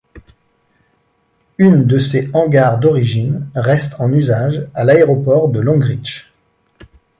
Une de ses hangars d'origine reste en usage à l'aéroport de Longreach.